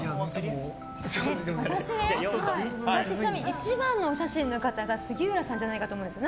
１番のお写真の方が杉浦さんじゃないかと思うんです。